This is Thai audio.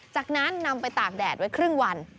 จากนั้นนำไปตากแดดไว้ครึ่งวัน